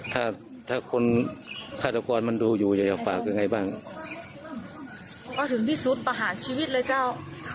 ถ้าถ้าคนฆาตกรมันดูอยู่อยากจะฝากยังไงบ้างก็ถึงที่สุดประหารชีวิตเลยเจ้า